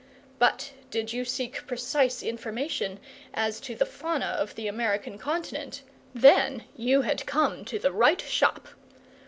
But did you seek precise information as to the fauna of the American continent, then you had come to the right shop.